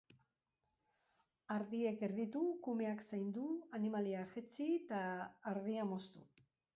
Ardiek erditu, kumeak zaindu, animaliak jetzi eta ardia moztu.